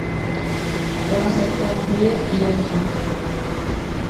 basakambuye iyo nzu